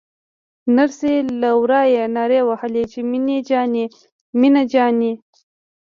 نرسې له ورايه نارې وهلې چې مينه جانې مينه جانې.